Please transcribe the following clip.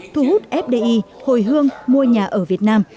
thu hút fdi hồi hương mua nhà ở việt nam